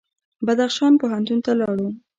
بدخشان پوهنتون ته لاړو.